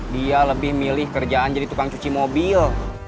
dia lebih milih kerjaan jadi tukang cuci mobil